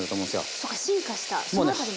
そっか進化したその辺りも。